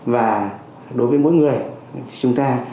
và đối với mỗi người thì chúng ta